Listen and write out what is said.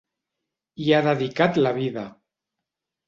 Hi ha dedicat la vida.